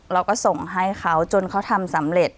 เราก็ส่งให้เขาจนเขาทำสำเร็จ